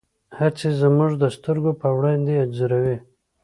هڅې زموږ د سترګو په وړاندې انځوروي.